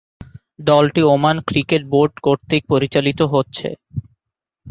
দলটি Oman cricket board কর্তৃক পরিচালিত হচ্ছে।